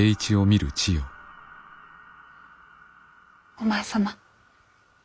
お前様。